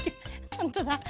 ほんとだ。